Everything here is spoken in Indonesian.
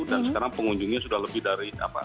dan sekarang pengunjungnya sudah lebih dari apa